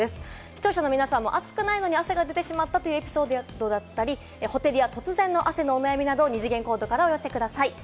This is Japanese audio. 視聴者の皆さんも暑くないのに汗が出てしまったというエピソードや、ほてりや突然の汗のお悩みなど、ニ次元コードからお寄せください。